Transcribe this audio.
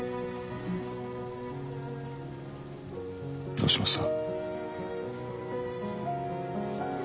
どうしました？